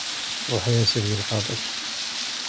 Ṛuḥ a yasif di lɣerḍ-ik.